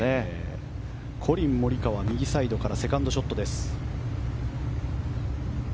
コリン・モリカワ右サイドからセカンドショットです。